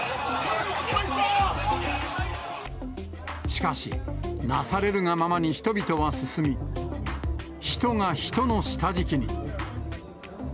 しかし、なされるがままに人々は進み、人が人の下敷きに。